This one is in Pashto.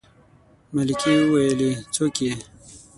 ملکې وويلې څوک يې.